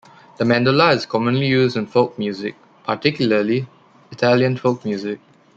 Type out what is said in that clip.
The mandola is commonly used in folk music-particularly Italian folk music.